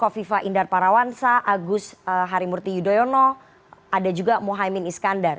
kofifa indar parawansa agus harimurti yudhoyono ada juga mohaimin iskandar